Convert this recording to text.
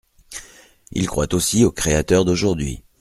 Il croit aussi aux créateurs d’aujourd’hui.